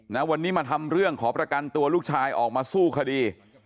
นะวันนี้มาทำเรื่องขอประกันตัวลูกชายออกมาสู้คดี